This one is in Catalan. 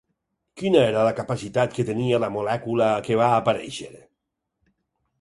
Quina era la capacitat que tenia la molècula que va aparèixer?